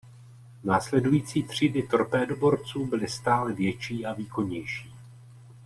Následující třídy torpédoborců byly stále větší a výkonnější.